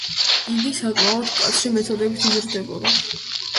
იგი საკმაოდ მკაცრი მეთოდებით იზრდებოდა.